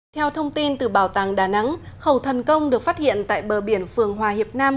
theo thông tin từ bảo tàng đà nẵng khẩu thần công được phát hiện tại bờ biển phường hòa hiệp nam